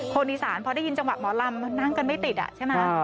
คนอีสานพอได้ยินจังหวะหมอลำนั่งกันไม่ติดใช่ไหม